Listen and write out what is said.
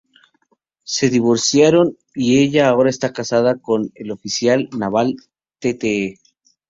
Se divorciaron y ahora ella está casada con el oficial naval Tte.